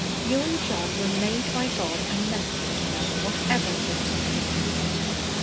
You and John were made by God and meant for one another, whatever falls between you.